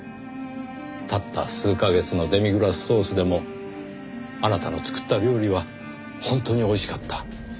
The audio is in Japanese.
たった数カ月のデミグラスソースでもあなたの作った料理は本当に美味しかった。